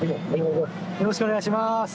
よろしくお願いします。